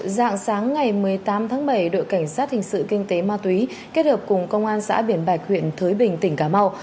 dạng sáng ngày một mươi tám tháng bảy đội cảnh sát hình sự kinh tế ma túy kết hợp cùng công an xã biển bạch huyện thới bình tỉnh cà mau